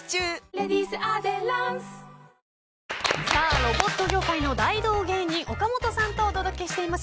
ロボット業界の大道芸人岡本さんとお届けしています